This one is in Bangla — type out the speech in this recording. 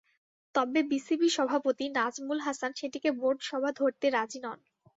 তবে বিসিবি সভাপতি নাজমুল হাসান সেটিকে বোর্ড সভা ধরতে রাজি নন।